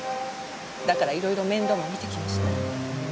だからいろいろ面倒も見てきました。